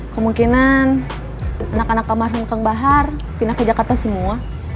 kemungkinan anak anak almarhum kang bahar pindah ke jakarta semua